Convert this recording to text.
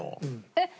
えっ？